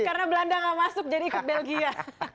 karena belanda nggak masuk jadi ikut belgia